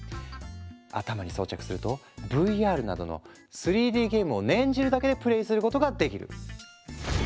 頭に装着するとＶＲなどの３Ｄゲームを念じるだけでプレイすることができる。